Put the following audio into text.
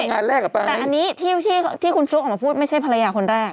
แต่อันนี้ที่คุณซุ๊กออกมาพูดไม่ใช่ภรรยาคนแรก